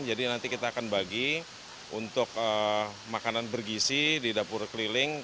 jadi nanti kita akan bagi untuk makanan bergisi di dapur keliling